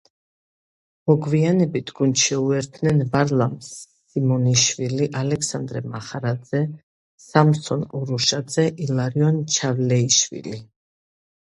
მოგვიანებით გუნდს შეუერთდნენ ვარლამ სიმონიშვილი, ალექსანდრე მახარაძე, სამსონ ურუშაძე, ილარიონ ჩავლეიშვილი.